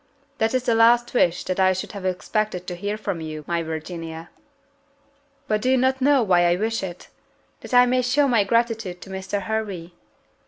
"That is the last wish that I should have expected to hear from you, my Virginia." "But do you not know why I wish it? that I may show my gratitude to Mr. Hervey."